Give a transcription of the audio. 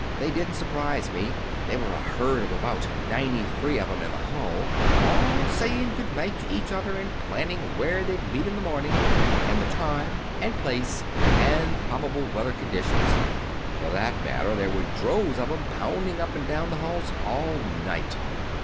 They didn't surprise me. There was a herd of about ninety three of 'em in the hall, all saying good night to each other, and planning where they'd meet in the morning, and the time, and place and probable weather conditions. For that matter, there were droves of 'em pounding up and down the halls all night.